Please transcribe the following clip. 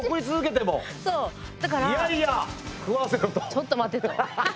「ちょっと待て」と。